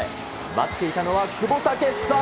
待っていたのは久保建英。